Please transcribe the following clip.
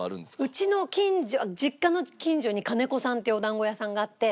うちの近所実家の近所にかねこさんっていうお団子屋さんがあって。